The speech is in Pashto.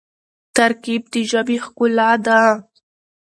ترکیب د ژبي ښکلا ده.